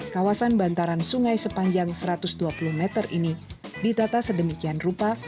kawasan bantaran sungai sepanjang satu ratus dua puluh meter ini ditata sedemikian rupa